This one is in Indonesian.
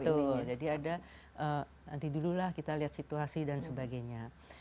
betul jadi ada nanti dululah kita lihat situasi dan sebagainya